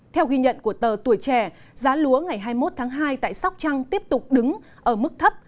theo ghi nhận của tờ tuổi trẻ giá lúa ngày hai mươi một tháng hai tại sóc trăng tiếp tục đứng ở mức thấp